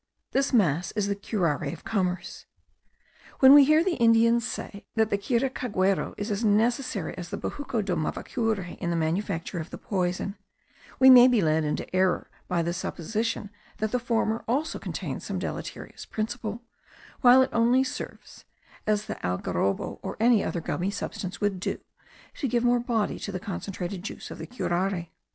This mass is the curare of commerce. When we hear the Indians say that the kiracaguero is as necessary as the bejuco do mavacure in the manufacture of the poison, we may be led into error by the supposition that the former also contains some deleterious principle, while it only serves (as the algarrobo, or any other gummy substance would do) to give more body to the concentrated juice of the curare.